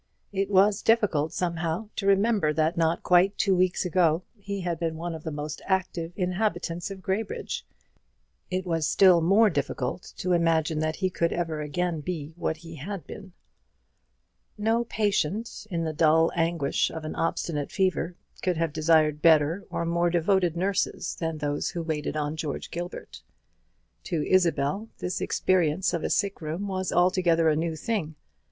It was difficult, somehow, to remember that not quite two weeks ago he had been one of the most active inhabitants of Graybridge; it was still more difficult to imagine that he could ever again be what he had been. No patient, in the dull anguish of an obstinate fever, could have desired better or more devoted nurses than those who waited on George Gilbert. To Isabel this experience of a sick room was altogether a new thing.